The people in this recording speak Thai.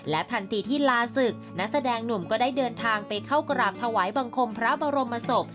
ทันทีที่ลาศึกนักแสดงหนุ่มก็ได้เดินทางไปเข้ากราบถวายบังคมพระบรมศพ